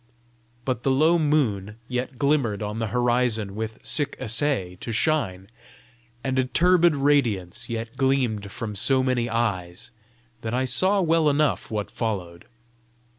But the low moon yet glimmered on the horizon with "sick assay" to shine, and a turbid radiance yet gleamed from so many eyes, that I saw well enough what followed.